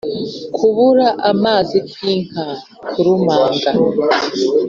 kubura amazi kw’inka kurumanga